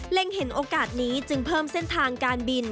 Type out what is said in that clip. เห็นโอกาสนี้จึงเพิ่มเส้นทางการบิน